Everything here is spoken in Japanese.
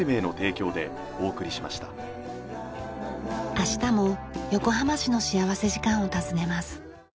明日も横浜市の幸福時間を訪ねます。